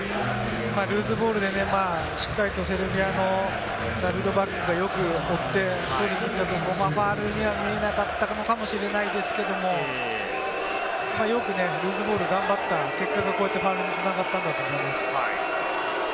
ルーズボールでしっかりとセルビアのダビドバックがよく追って、ファウルに見えなかったのかもしれないですけれども、よくルーズボール、頑張った結果がこうやってファウルに繋がったんだと思います。